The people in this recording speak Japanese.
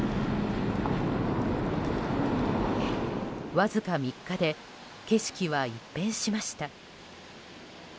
わずか３日で景色は一変しました。